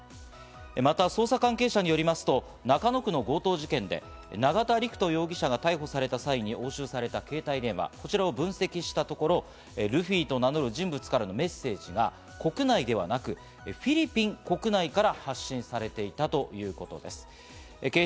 また捜査関係者によりますと中野区の強盗事件で、永田陸人容疑者が逮捕された際に押収された携帯電話を分析したところ、ルフィと名乗る人物からのメッセージが国内ではなく、フィリピン国内から発信されていたということです。